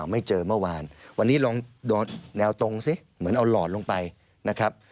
ไม่เจอเมื่อวานวันนี้ลองโดนแนวตรงสิเหมือนเอาหลอดลงไปนะครับ